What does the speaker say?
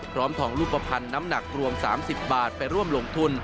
ทองรูปภัณฑ์น้ำหนักรวม๓๐บาทไปร่วมลงทุน